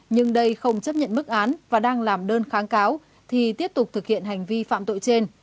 nhưng đây không chấp nhận bức án và đang làm đơn kháng cáo thì tiếp tục thực hiện hành vi phạm tội trên